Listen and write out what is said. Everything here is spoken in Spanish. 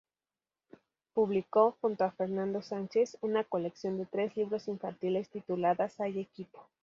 Publicó, junto a Fernando Sánchez, una colección de tres libros infantiles tituladas "Hay equipo".